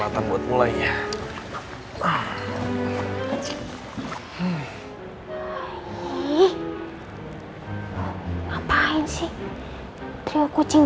di sana song tim ini dia dulu nih